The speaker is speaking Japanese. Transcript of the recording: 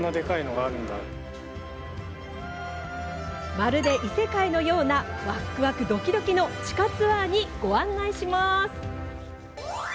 まるで異世界のようなわくわくドキドキの地下ツアーにご案内します！